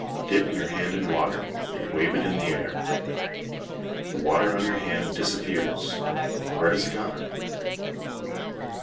Dip your hand in water, and wave it in the air. The water on your hand disappears. Where has it gone?